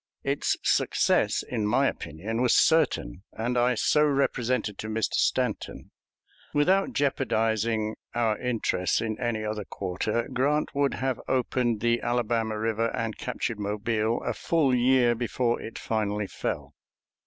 Its success, in my opinion, was certain, and I so represented to Mr. Stanton. Without jeoparding our interests in any other quarter, Grant would have opened the Alabama River and captured Mobile a full year before it finally fell.